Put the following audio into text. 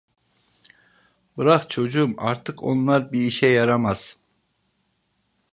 Bırak çocuğum, artık onlar bir işe yaramaz.